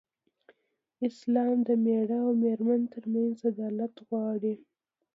اسلام د مېړه او مېرمن تر منځ عدالت غواړي.